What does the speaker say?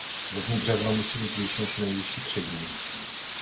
Zadní břevno musí být výš než nejvyšší přední.